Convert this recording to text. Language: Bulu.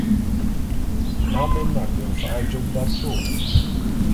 Mamien m'ake mfa'a jôp d'atôô.